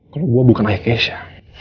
kalau gua bukan akesia